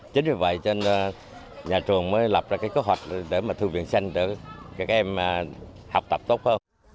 chính vì vậy cho nên nhà trường mới lập ra cái kế hoạch để mà thư viện xanh để các em học tập tốt hơn